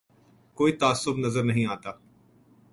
کوئی تعصب نظر نہیں آتا